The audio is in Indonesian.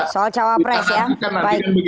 soal cawapres ya